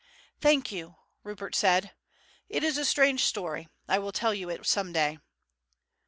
"Thank you," Rupert said; "it is a strange story, I will tell you it some day."